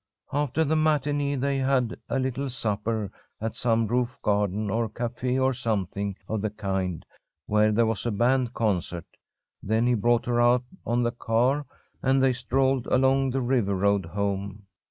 After the matinée they had a little supper at some roof garden or café or something of the kind, where there was a band concert. Then he brought her out on the car, and they strolled along the river road home.